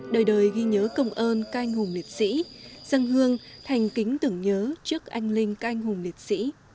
đời đời ghi nhớ công ơn canh hùng liệt sĩ sân hương thành kính tưởng nhớ trước anh linh canh hùng liệt sĩ